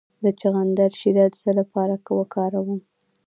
د چغندر شیره د څه لپاره وکاروم؟